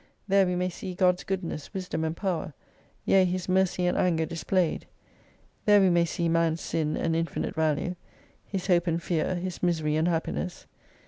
There we may see God's goodness, wisdom and power : yea His mercy and anger displayed. There we may see man's sin and infinite value. His hope and fear, his misery and happiness.